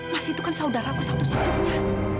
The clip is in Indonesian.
mas itu kan saudaraku satu satunya